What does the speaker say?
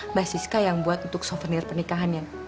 mbak siska yang buat untuk souvenir pernikahannya